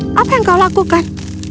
apa yang kau lakukan